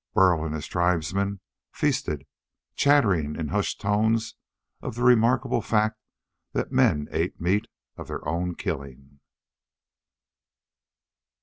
Burl and his tribesmen feasted, chattering in hushed tones of the remarkable fact that men ate meat of their own killing.